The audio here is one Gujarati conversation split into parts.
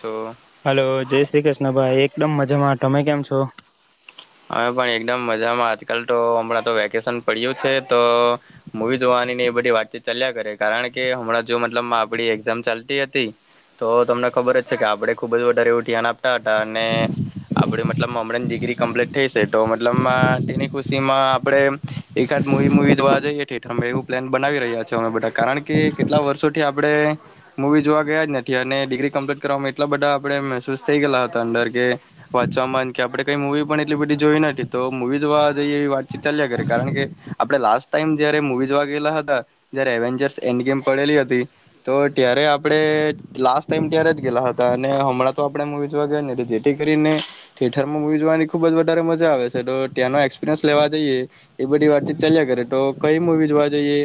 તો હલો જય શ્રી કૃષ્ણ ભાઈ એકદમ મજામાં તમે કેમ છો? અમે પણ એકદમ આજકાલ તો હમણાં તો વેકેશન પડ્યું છે તો, મૂવી જોવાની એ બધી વાતચીત ચાલ્યા કરે કારણ કે હમણાં જો મતલબ આપડી એક્ઝામ ચાલતી હતી, તો તમને ખબર કે આપડે ખુબ જ વધારે એવું ધ્યાન આપતા તાને, આપણે મતલબ હમણાં જે ડિગ્રી કમ્પ્લીટ થઈ સે તો મતલબમાં તેની ખુશીમાં આપણે, એકાદ મૂવી મૂવી જોવા જઈએ [unintelligible] અમે એવું પ્લાન બનાવી રહ્યા છે અમે બધા કારણ કે કેટલા વર્ષોથી આપણે, મુવી જોવા ગયા જ નથી અને ડિગ્રી કમ્પ્લીટ ત્યારે અમે એટલા બધા આપડે મહેસૂસ થઈ ગયલા હતા અંદર કે, વાંચવામાં કે આપણે કઈ મુવી પણ એટલી બધી જોઈ નથી તો મુવી જોવા જઈએ એવી વાતચીત ચાલ્યા કરી કારણ કે, આપણે લાસ્ટ ટાઈમ જયારે મુવી જોવા ગયેલા હતા, જ્યાંરે એવેન્જર્સ એન્ડ ગેમ પડેલી હતી, તો ત્યારે આપણે લાસ્ટ ટાઈમ ત્યારે ગેલા હતા અને હમણાં તો આપણે મુવી જોવા ગયા ને જેથી કરીને, થિયેટર માં મુવી જોવાની ખુબ જ વધારે મજા આવે છે તો ત્યાંનો એક્સપિરિયન્સ લેવા જઈએ, એ બધી વાતચીત ચાલ્યા કરે તો કઈ મુવી જોવા જઈએ.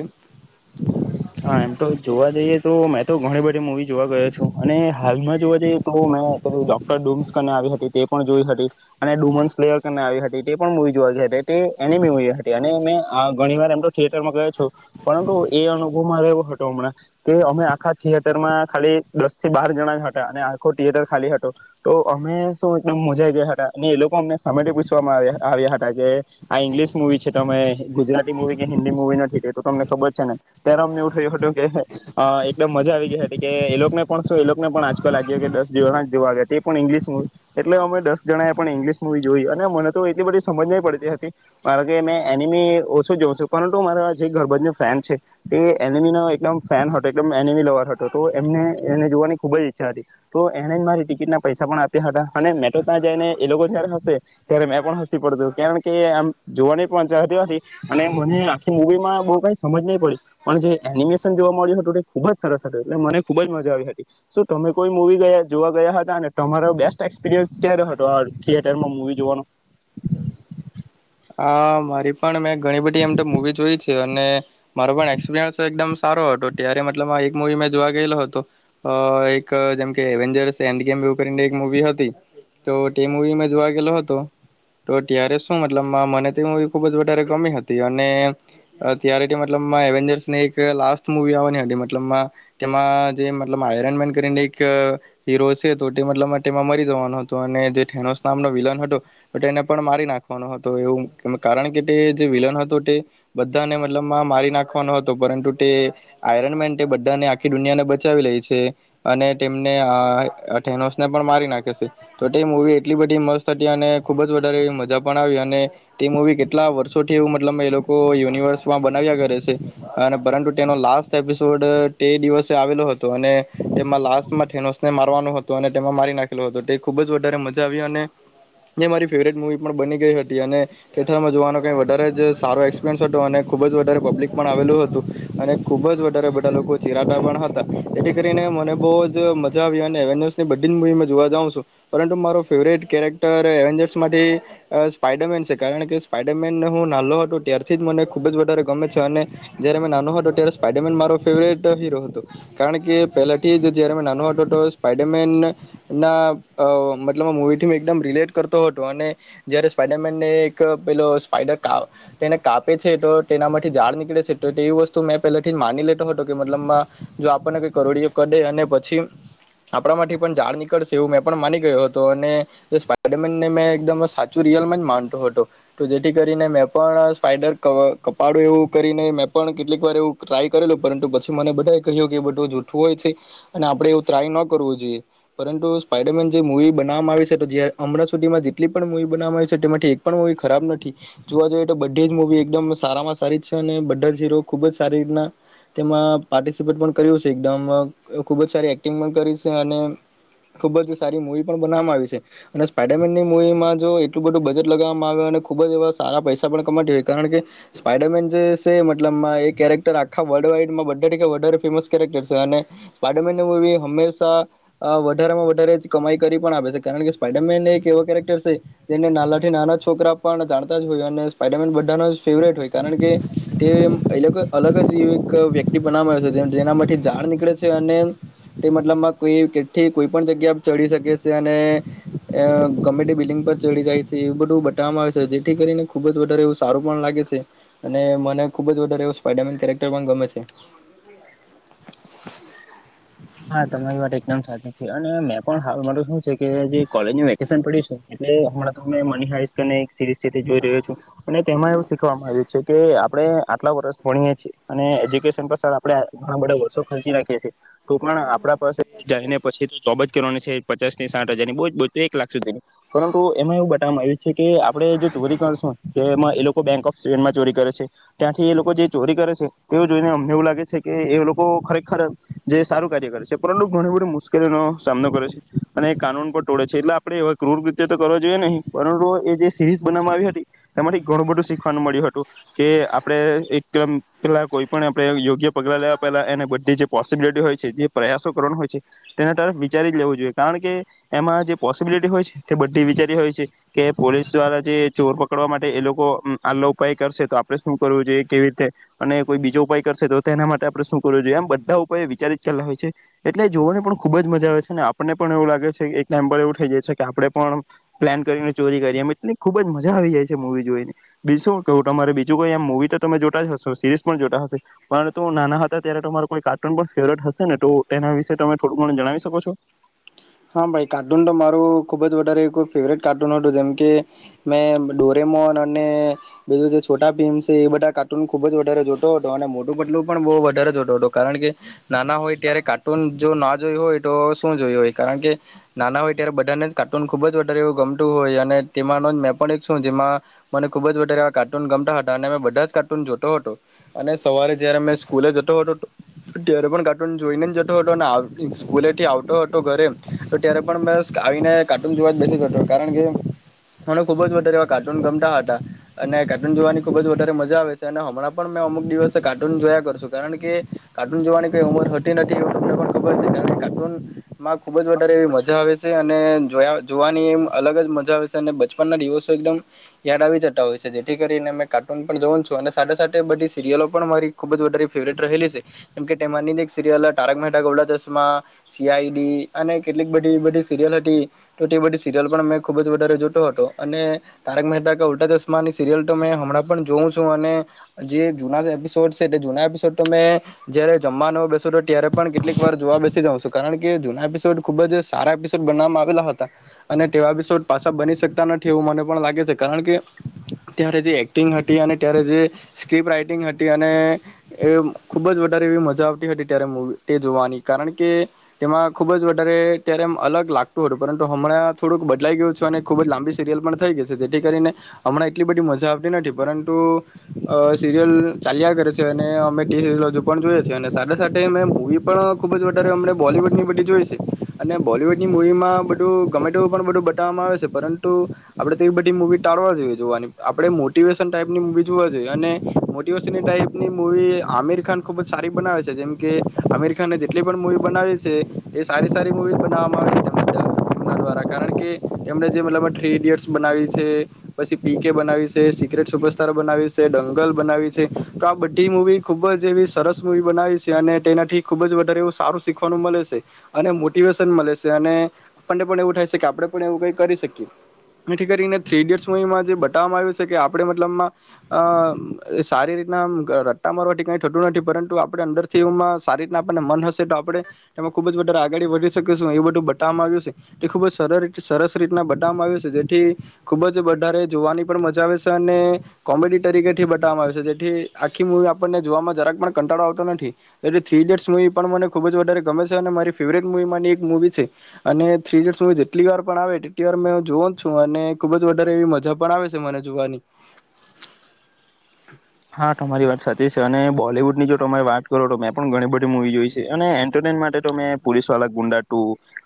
હા એમ તો જોવા જઈએ તો તો ઘણી બધી મૂવી જોવા ગયો છું અને હાલમાં જોવા જઈએ તો મેં પધું ડોક્ટર ડુમ્સને આવી હતી તે પણ જોઈ હતી, અને ડુમન્સ પ્લેયરને આવી હતી તે પણ મૂવી જોવા [unintelligible] તે એનીમી મુવી હતી અને મે હ ઘણી વાર એમ તો થિયેટરમાં ગયો છો, પરંતુ એ અનુ [unintelligible] હતો હમણાં, કે અમે આખા થિયેટરમાં ખાલી દસ થી બાર જણા હતા અને આખો થિયેટર ખાલી હતો, તો અમે શું એકદમ મજા ગયા હતા અને એ લોકો અમને સામેથી પૂછવામાં આવ આવ્યા હતા કે આ ઇંગ્લિશ મુવી છે તો અમે ગુજરાતી મુવી કે હિન્દી મુવી નથી. તો તમને ખબર છે ને. ત્યારે અમને એવું થયું હતું કે એટલે મજા આવી ગઈ હતી કે એ લોકોને પણ શું એ લોકોને પણ આજકાલ લાગયો કે દસ જણા જોવા આવ્યા તે પણ ઇંગ્લિશ મુવી, એટલે અમે દસ જણાએ એ પણ ઇંગ્લિશ મુવી જોઈ અને મને તો એટલી બધી સમજ નહી પડતી હતી, મારે કે મેં એનિમી ઓછું જોઉં છું પરંતુ મારા જે ગર બંને ફ્રેન્ડ છે. એ એનિમીનો એકદમ ફેન હતો એકદમ એનિમી લવર હતો તો એમને એને જોવાની ખુબ જ ઈચ્છા હતી, તો એને જ મારી ટિકિટના પૈસા પણ આપ્યા હતા, અને તો ત્યાં જઈ ને એ લોકો જયારે હશે ત્યારે મેં પણ હસી પડતો કારણ કે આમ જોવા પહ હતી, અને મને આખી મુવી માં બહ કઈ સમજ નહી પડી. પણ જે એનિમેશન જોવા મળ્યું હતું એ ખુબ જ સરસ હતું એટલે મને ખુબ જ મજા આવી હતી, શું તમે કોઈ મુવી ગયા જોવા ગયા હતા ને તમારો બેસ્ટ એક્સપિરિયન્સ ક્યારે હતો આ થિયેટરમાં મુવી જોવાનો? હા મારી પણ મેં ઘણી બધી એમ તો મુવી જોઈ છે. અને મારો પણ એક્સપિરયન્સ એકદમ સારો હતો, ત્યારે મતલબ એક મુવી મેં જોવા ગયેલો હતો, એક જેમકે અવનજરસ એન્ડ ગેમ એક મુવી હતી, તો તે મુવી મેં જોવા ગેલો હતો, તો ત્યારે શ મલબમાં મને તે મૂવી ખૂબ જ વધારે ગમી હતી અને ત્યારે તે મતલબ એવેન્જર્સની એક લાસ્ટ મુવી આવવાની હતી મતલબમા, તેમાં જે મતલબ આયરન મેન કરીને એક હીરો છે તો તે મતલબ તેમાં મરી જવાનો હતો અને જે થેનોસ નામનો વિલન હતો, તો તેને પણ મારી નાખો એ કારણ કે તે જે વિલન હતો તે, બધાને મતલબમાં મારી નાખવાનો હતો, પરંતુ તે આયરન મેન તે બધાને આખી દુનિયાને બચાવી લે છે, અને તેમને થેનોસને પણ મારી નાખે છે તો તે મુવી એટલી બધી મસ્ત હતી અને ખુબ જ વધારે મજા તે મુવી કેટલા વર્ષોથી એ મતલબ એ લોકો યુનિવર્સમાં બનાવ્યા કરે છે, અને પરંતુ તેનો લાસ્ટ એપિસોડ તે દિવસે આવેલો હતો અને તેમાં લાસમાં થેનોસને મારવાનો હતો. અને તેમાં મારી નાખેલો હતો, તે ખુબ જ વધારે મજા આવી અને જે મારી ફેવરેટ મુવી પણ બની ગઈ હતી, અને થેઠળમાં જોવાનો કંઈ વધારે જ સારો એક્સપિરિયન્સ હતો અને ખૂબ જ વધારે પબ્લિક પણ આવેલું હતું, અને ખૂબ જ વધારે બધા લોકો ચિરાતા પણ હતા, એથી કરીને મને બહુ જ મજા આવી અને એવેન્જર્સની બધી જ મૂવી મે જોવા જાઉં છું, પરંતુ મારો ફેવરેટ કેરેક્ટર એવેન્જર્સમાંથી સ્પાઈડરમેન છે કારણ કે સ્પાઈડરમેન હું નાલ્લો હતો ત્યારથી મને ખૂબ જ વધારે ગમે છે અને, જયારે મેં નાનો હતો ત્યારે સ્પાઈડરમેન મારો ફેવરેટ હીરો હતો, કારણ કે પહેલાથી જ જયારે મે નાનો હતો તો સ્પાઈડરમેન, ના મતલબ મુવીથી એકદમ રિલેટ કરતો હતો અને જયારે સ્પડરમેનને એક પેલો સ્પાઈડરા તેને કાપે છે, તો તેના માટેથી ઝાડ નીકળે છે તો તેવી વસ્તુ મેં પેલાથી માની લેતો હતો કે મતલબમાં જો આપણને કઈ કરોડીયો કડે અને પછી આપણા માથી પણ ઝાડ નીકળશે. એવું મેં પણ માની ગયો હતો અને, સ્પાઈડરમેનને મેં એકદમ રિયલમાં જ માનતો હતો, તો જેથી કરીને મે પણ સ્પાઈડર ક આપ એવું કરીને મેં પણ કેટલીક વાર એવું ટ્રાય કરેલું પરંતુ પછી મને બધાએ કહ્યું કે એ બધું જૂઠું હોય છે, અને આપણે એવું ટ્રાય ન કરવું જોઈએ, પરંતુ સ્પાઈડરમેન જે મૂવી બનાવામાં આવી છે તો જ હમણાં સુધીમાં જેટલી પણ મુવી એક પણ મુવી ખરાબ નથી, જોવા જઈએ તો બધી જ મુવી એકદમ સારામાં સારી છે અને બધા જ હીરો ખુબ જ સારી રીતના, તેમાં પાર્ટિસિપેટ પણ કર્યું છે એકદમ ખુબ જ સારી એક્ટિંગ પણ કરી છે અને, ખુબ જ સારી મુવી પણ બનાવામાં આવી છે, અને સ્પાઈડરમેનની મુવીમાં જો એટલું બધું બજેટ લગાવવામાં આવ્યું અને ખુબ જ એવા સારા પૈસા પણ કમાતી હોય કારણ કે, સ્પાઈડરમેન જે છે મતલબમાં એ કેરેક્ટર આખા વર્લ્ડ વાઈડમાં વધારે ફેમસ કેરેક્ટર છે, અને સ્પાઈડરમેનની મૂવી હંમેશા વધારેમાં વધારે જ કમાઈ કરી પણ આવે છે કારણ કે સ્પાઈડરમેન એક એવો કેરેક્ટર છે તેને નાનાથી નાના છોકરા પણ જાણતા જ હોય અને સ્પાઈડરમેન બધાનો ફેવરેટ હોય કારણ કે તે એ લોકો અલગ જ એવી એક વ્યક્તિ બનાવા છે જેનામાંથી ઝાડ નીકળે છે અને તે મતલબમાં કો કે કોઈ પણ જગ્યા ચડી શકે છે અને ગમેતે બિલ્ડંગ પર ચડી જાય છે એવું બધું બતાવવામાં આવે છે જેથી કરીને ખુબ જ વધારે એવ સારું પણ લાગે છે અને મને ખુબ જ વધારેવ સ્પડામેન કેરેક્ટર પણ ગમે છે. હા તમારી વાત એકદમ સાચી છે અને મેં પણ હાલ માર શું છે કે જે કોલેજ વેકેશન પડ્યું છે ને તો [unintelligible] તે જોઈ રહ્યો છે, અને તેમાં એવું શીખવાવામાં આવ્યું છે. કે આપડે આટલા વર્ષ ભણીએ છીએ અને એજ્યુકેશન પર સર આપડે ઘણા બધા વર્ષો ખર્ચી રાખીએ છે તો પણ આપડા પાસે જઈને પછી તો જોબ જ કરવાની છે પચાસથી સાઠ હજાર ની બોજ બો એક લખ સુધીની પરંતુ એમાં એવું બતાવવામાં આવ્યું છે કે આપડી જો ચોરી કરશું તો એમાં એ લોકો બેંક ઓફ સ્ટેનમાં ચોરી કરે છે, ત્યાંથી એ લોકો જે ચોરી કરે છે તેઓ જોઈને અમને એવું લાગે છે કે એ લોકો ખરેખર જે સારું કાર્ય કરે છે, પરંતુ ઘણી બધી મુશ્કેલીનો સામનો કરે છે અને એ કાનૂન પણ તોડે છે, એટલે આપડણે ક્રૂર કૃત્ય તો કરવા જોઈએ નહી, પરંતુ એ જે સીરીઝ બનાવવામાં આવી હતી તેમાંથી ઘણું બધું શીખવાનું મળ્યું હતું કે આપડે એકદમ પેલા કોઈ પણ આપડે યોગ્ય પગલાં લેવા પહેલા એને બધે જે પો પોસિબિલિટી હોય છે જે પ્રયાસો કરવા હોય છે, તેના તરફ વિચારી લેવું જોઈએ કારણકે એમાં જે પોસિબિલિટી હોય છે તે બધી વિચારી હોય છે કે પોલીસ દ્વારા જે ચોર પકડવા માટે એ લોકો આલા ઉપાય કરશે તો આપડે શું કરવું જોઈએ, કેવી રીતે અને કોઈ બીજો ઉપાય કરશે, તો તેના માટે આપડે શું કરવું જોઈએ એમ બધા વિચારી કરેલા હોય છે, એટલે જોવાની પણ ખુબજ મજા આવે છે ને આપણને પણ એવું લાગે છે કે એક ટાઈમ પર એવું થઈ જાય છે કે આપડે પણ પ્લાન કરીને ચોરી કરી, એમ એટલી ખુબ જ મજા આવી જાય છે મવી જોઈને શું કવું તમારે બીજું કોઈ આમ મુવી તો તમે જોતા જ હશો સિરીઝ પણ જોતા હશે પરંતુ નાના હતા ત્યારે તમારે કોઈ કાર્ટૂન પણ ફેવરિટ હશે ને તો એના વિશે તમે થોડું ઘણું જણાવી શકો છો? હા ભાઈ, કાર્ટૂન તો મારું ખુબજ વધારે ફેવરેટ કાર્ટૂન હતું, જેમકે મેં ડોરેમોન અને બીજું જે છોટા પીમ છે, એ બધા કાર્ટૂન ખુબજ વધારે જોતો હતો અને મોટું પતલું પણ બો વધારે જોતો હતો, કારણ કે નાના હોય ત્યારે કાર્ટૂન જો ના જોયું હોય, તો શું જોયું હોય. કારણ કે નાના હોય ત્યારે બધાને જ કાર્ટૂન ખૂબ જ વધારે એવું ગમતું હોય અને તેમાંનો જ મેં પણ એક છું, જેમાં મને ખૂબજ વધારે એવા કાર્ટૂન ગમતા હતા અને મેં બધાજ કાર્ટૂન જોતો હતો અને સવારે જ્યારે મેં સ્કૂલે જતો હતો, ત્યારે પણ કાર્ટૂન જોઈને જ જતો હતો અને સ્કૂલેથી આવતો ઘરે તો ત્યારે પણ મે આવીને કાર્ટૂન જોવા જ બેસી જતો, કારણકે મને ખુબ વધારે એવા કાર્ટૂન ગમતા હતા અને કાર્ટૂન જોવાની ખુબ જ વધારે મજા આવે છે અને હમણાં પણ અમુક દિવસ કાર્ટૂન જોયા કરશું, કારણ કે કાર્ટૂન જોવાની કઈ ઉમરતી નથી એ તમને ખબર છે કાર કાર્ટૂન માં ખુબજ વધારે એવી મજા આવે છે અને જોયા જોવાની એમ અલગ જ મજા આવે છે અને બચપનના રિવોસો એકદમ યાદ આવી જતા હોય છે, જેથી કરીને મે કાર્ટૂન પણ જોઉન છું અને સાથે સાથે બધી સીરિયલો પણ મારી ખુબજ વધારે ફેવરેટ રહેલી છે, જેમ કે તેની એક સિરિલ તારક મહેતાકા ઉલ્ટા ચશ્મા, સી આઈ ડી અને કેટલીક બધી બધી સિરિયલ હતી તો સિરિયલ મેં ખુબજ વધારે જોતો હતો અને તારક મહેતા ઉલ્ટા ચશ્માની સિરિયલ તો મેં હમણાં જોઉ છું અને જે જુના એપિસડ છે, તે જૂના એપિસોડ તો મે જ્યારે જમવાનું બેસુ તો ત્યારે પણ કેટલી વાર જોવા બેસી જાવ છું. કાર એપસ ખૂબ જ સારા એપિસડ બનાવામાં આવેલા હતા, અને તેવા એપિસોડ પાછા બની શકતા નથી એવું મને પણ લાગે છે, કારણ કે, ત્યારે જે એક્ટિંગ હતી, અને ત્યારે જે સ્ક્રિપ રાઈટિંગ હતી અને ખુબ જ વધારે એવી મજા આવતી હતી ત્યારેવી તે જોવાની, કારણ કે તેમાં ખૂબ જ વધારે અ ત્યારે એમ અલગ લાગતું હતું પરંતુ હમણાં થોડુંક બદલાઈ ગયું છું અને ખૂબ જ લાંબી સિરિયલ પણ થઈ ગઈ છે જેથી કરીને, હમણાં એટલી બધી મજા આવતી નથી પરંતુ, સિરિયલ ચાલ્યા કરે છે અને અમે ટી સિરિયલ હજુ પણ જોઈએ છેીએ અને સાડા સાથે અમે મૂવી પણ ખૂબ જ વધારે અમને બોલીવૂડની બધી જોઈ છે, અને બોલીવૂડની મૂવીમાં બધું ગમેટ પણ બધું બતાવવામાં આવે છે પરંતુ, આપણે તે બધી મૂવી ટાળવા જોઈએ જોવાની આપણે મોટિવેશન ટાઈપની મૂવી જોવા જોઈએ, અને મોટિવેશન ટાઈપની મૂવી આમિર ખાન ખૂબ જ સારી બનાવે છે જેમ, કે આમિર ખાનને જેટલી પણ મૂવી સારી સારી મુવી બના દ્વારા કારણ કે, એમણે જે મત થ્રી ઈડિયટ્સ બનાવી છે, પછી પી કે બનાવી છે સિક્રેટ સુપરસ્ટાર બનાવી છે ડંગલ બનાવી છે, તો આ બધી મુવી ખુબ જ એવી સરસ મવી બનાવી છે અને તેનાથી ખુબ જ વધારે એવું સારું શીખવાનું મળે છે, અને મોટિવેશન મળે છે અને, આપણને પણ એવું થાય છે કે આપણે પણ એવું કંઈ કરી શકીએ, એથી કરીને થ્રી ઇડિયટ્માં એમાં જે બતાવવામાં આવ્યું છે કે આપણે મતલબમાં, અ સારી રીતના રટ્ટા મારવાથી કંઈ થતું નથી પરંતુ આપણે અંદરથી એમાં સારી રીતના આપણને મન હશે તો આપણે એમાં ખુબ જારે આગળ વધી શકશું એવું બધું બતાવવામાં આવ્યું છે, એ ખુબ જ સરસ રીતના બતાવામાં આવ્યું છે જેથી, ખુબ જ વધારે જોવાની પણ મજા આવે છે, અને કોમેડી તરીકે થી બતાવામાં આવે છે જેથી આખી મુવી આપણને જોવામાં જરાક પણ કંટાળો આવતો નથી, જે થ્રી ઇડિયટ્ મવી પણ મને ખુબ જ વધારે ગમે મારી ફવરેટ મુવીની એક મુવી છે, અને થ ડયટ જેટલી વાર પણ આવે તેટલી વાર જો છું અને ખુબ જ વધારે એવી મજા પણ આવે છે મને જોવાની. હા તમારી વાત સાચી છે અને બોલવુડ ની જો તમા વાત કરો તો મેં પણ ઘણી બધી મુવી જોઈ છે અને એન્ટરટેન માટે તો મેં પોલીસ વાળ ગુંડા ટુ,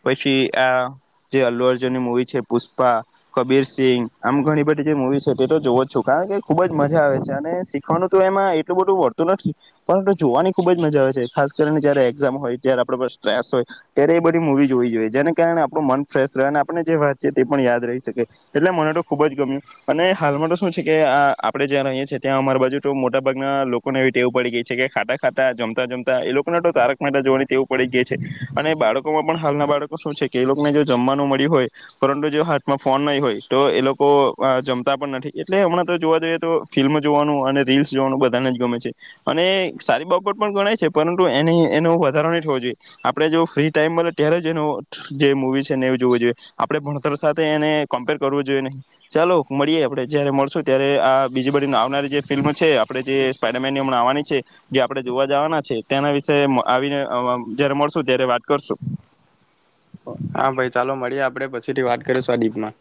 પછી આ જે અલ્વરજની મુવી છે પુષ્પા કબીર સિંગ આમ ઘણી બધી જે મુવી છે તે તો જોવ જ છું, કારણ કે ખુબ જ મજા આવે છે અને શીખવાનું તો એમાં એટલું બધું વડતું નથી, પરંતુ જોવાની ખુબ જ મજા આવે છે ખાસ કરીને જયારે એક્ઝામ હોય જ્યારે આપડ સ્ટ્રેસ હોય, ત્યારે એ બધી મુવી જોવી જોઈએ જેને કારણે આપણું મન ફ્રેશ રહ્યો અને આપણે જે વાત છીએ તે પણ યાદ રહી શકે એટલે મને તો ખુબ જ ગમ્યું અને હાલમાં તો શું છે કે આ આપણેે જ્યાં રહીએ છ છેએ ત્યાં અમારી બાજુ તો મોટાભાગના લોકોને એવી ટેવું પડી ગય છે કે ખાટા ખાતા જમતા જમતા એ લોકોને તો તારક માટે જોવાની તેવું પડી ગય છે, અને બાળકોમાં પણ હાલના બાળકો શું છે કે એ લોકોને જો જમવાનું મળ્યું હોય, પરંતુ જો હાથમાં ફોન નહીં હોય તો એ લોકો જમતા પણ નથી એટલે હમણાં તો જોવા જઈએ તો ફિલ્મ રીસ જોવાનું બધાને જ ગમે છે, અને સારી બાબત પણ ગણાય છે પરંતુ એ એનો વધારો નહી થવો જોઈએ, આપણેે જો ફ્રી ટાઈમ મળ ત્યારે એનો જે મવી છેને જો જોઈએ, આપણે ભણતર સાથે એને કમ્પેર કરવું જોઈએ નહી, ચાલો મળીએ આપે જયારે મળશું ત્યારે આ બીજી ફિલ્મ છે આપણે જે સ્પડરમેનમવાની છે, જે આપણે જોવા જવાના છે તેના વિશે આવીને જયારે મળશું ત્યારે વાત કરશું. હા ભાઈ ચાલો મળીએ આપડે પછીથી વાત કરીશું આદીપમાં.